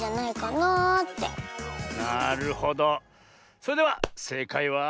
それではせいかいは。